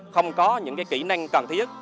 không có những cái kỹ năng cần thiết